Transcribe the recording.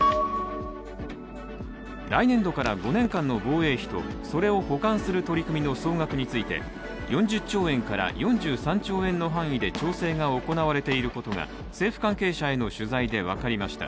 来年度から５年間の防衛費とそれを補完する取り組みの総額について４０兆円から４３兆円の範囲で、調整が行われていることが政府関係者への取材で分かりました。